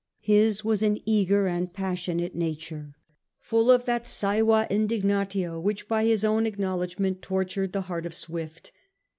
His was an eager and a passionate na ture, full of that soeva indignatio which by his own acknowledgment tortured the heart of Swift.